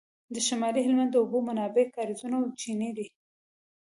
د شمالي هلمند د اوبو منابع کاریزونه او چینې دي